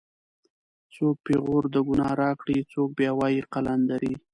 څوک پېغور د گناه راکړي څوک بیا وایي قلندرې